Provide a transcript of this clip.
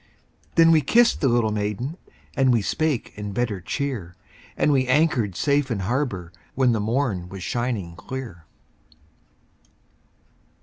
Then we kissed the little maiden, And we spake in better cheer, And we anchored safe in harbor When the morn was shining clear.